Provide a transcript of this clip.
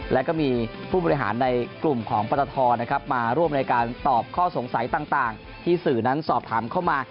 ในกลุ่มของปรัฐทรมาร่วมในการตอบข้อสงสัยต่างที่สื่อนั้นสอบถามเข้ามา